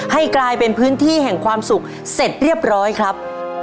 ให้กลายเป็นพื้นที่แห่งความสุขเสร็จเรียบร้อยครับ